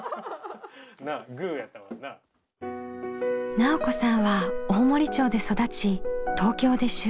奈緒子さんは大森町で育ち東京で就職。